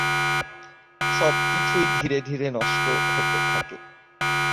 সবকিছুই ধীরে ধীরে নষ্ট হতে থাকে।